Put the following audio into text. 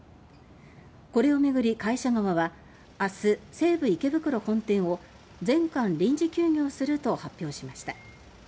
これをめぐり会社側は明日、西武池袋本店を全館臨時休業すると発表しました。